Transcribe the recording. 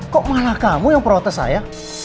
kok malah kamu yang protes saya